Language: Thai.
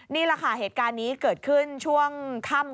นี่แหละค่ะเหตุการณ์นี้เกิดขึ้นช่วงค่ำ